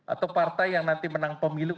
atau partai yang nanti menang pemilu